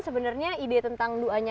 sebenarnya ide tentang duanya